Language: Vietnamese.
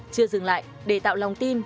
chưa dừng lại để tạo lòng tin